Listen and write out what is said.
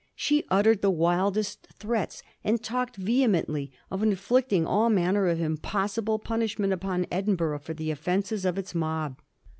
She uttered the wildest threats, and talked vehe mently of inflicting all manner of impossible punishment upon Edinburgh for the offences of its mob.